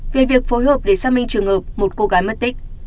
về việc phối hợp để xác minh trường hợp một cô gái mất tích